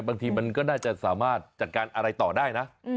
บางทีมันก็น่าจะสามารถจัดการอะไรต่อได้นะ